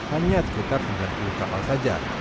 hanya sekitar sembilan puluh kapal saja